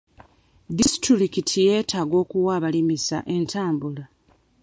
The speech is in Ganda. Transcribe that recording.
Disitulikiti yeetaaga okuwa abalimisa entambula.